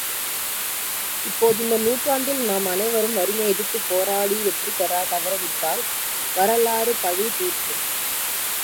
இப்போது, இந்த நூற்றாண்டில் நாம் அனைவரும் வறுமையை எதிர்த்துப் போராடி வெற்றிபெறத் தவறிவிட்டால் வரலாறு பழி தூற்றும்.